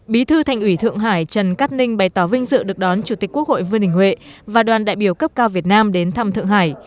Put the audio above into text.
bí thư thành ủy thượng hải trần cát ninh bày tỏ vinh dự được đón chủ tịch quốc hội vương đình huệ và đoàn đại biểu cấp cao việt nam đến thăm thượng hải